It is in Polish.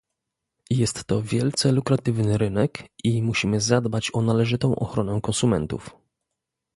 Jest to wielce lukratywny rynek i musimy zadbać o należytą ochronę konsumentów